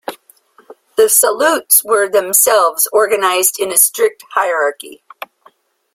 The salutes were themselves organised in a strict hierarchy.